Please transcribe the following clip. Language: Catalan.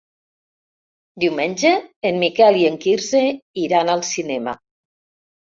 Diumenge en Miquel i en Quirze iran al cinema.